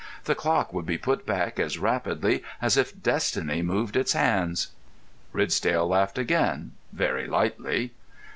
The clock would be put back as rapidly as if destiny moved its hands." Ridsdale laughed again, very lightly.